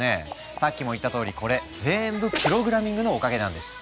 さっきも言ったとおりこれぜんぶプログラミングのおかげなんです。